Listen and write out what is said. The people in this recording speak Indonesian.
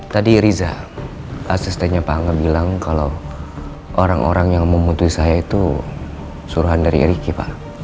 tadi riza asistennya pak angga bilang kalau orang orang yang memutuhi saya itu suruhan dari ricky pak